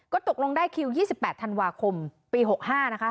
ตกลงได้คิว๒๘ธันวาคมปี๖๕นะคะ